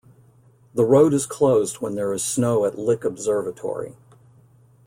The road is closed when there is snow at Lick Observatory.